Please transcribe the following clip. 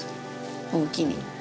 おおきに。